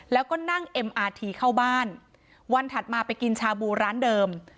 แล้วก็นั่งเอ็มอาทีเข้าบ้านวันถัดมาไปกินชาบูร้านเดิม